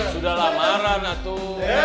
sudah lamaran atuh